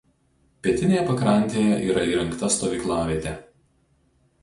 Pietinėje pakrantėje yra įrengta stovyklavietė.